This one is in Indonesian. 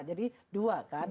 jadi dua kan